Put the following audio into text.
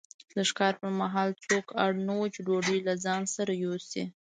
د ښکار پر مهال څوک اړ نه وو چې ډوډۍ له ځان سره یوسي.